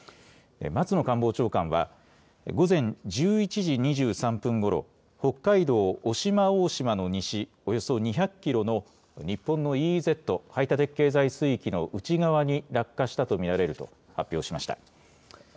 松野官房長官は午前１１時２３分ごろ、北海道渡島大島の西およそ２００キロの日本のＥＥＺ・排他的経済水域の内側に落下したと見られると発表しました。